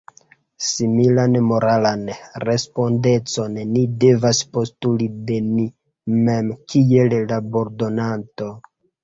Similan moralan respondecon ni devas postuli de ni mem kiel labordonanto.